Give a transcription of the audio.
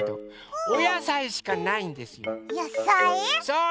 そう！